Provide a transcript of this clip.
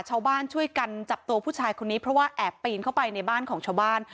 ชาวบ้านช่วยกันจับตัวผู้ชายคนนี้เพราะว่าแอบปีนเข้าไปในบ้านของชาวบ้าน